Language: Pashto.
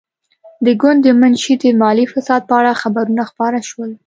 د ګوند د منشي د مالي فساد په اړه خبرونه خپاره شول.